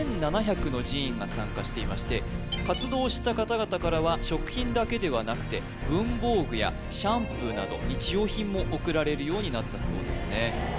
現在活動した方々からは食品だけではなくて文房具やシャンプーなど日用品も贈られるようになったそうですね